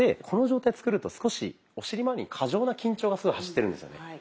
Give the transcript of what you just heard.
この状態を作ると少しお尻まわりに過剰な緊張が走ってるんですよね。